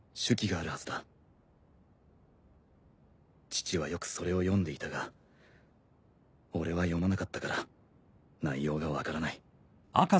父はよくそれを読んでいたが俺は読まなかったから内容が分からない。